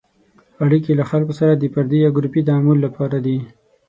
اړیکې له خلکو سره د فردي یا ګروپي تعامل لپاره دي.